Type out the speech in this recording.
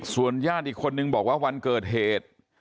ส่วนญาติอีกคนนึงบอกว่าวันเกิดเหตุ